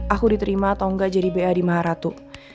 aku diterima atau enggak jadi b a di maharatu